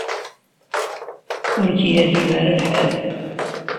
Ur k-yeɛjib ara lḥal.